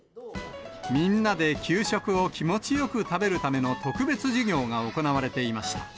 みんなで給食を気持ちよく食べるための特別授業が行われていました。